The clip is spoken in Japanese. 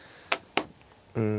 うん。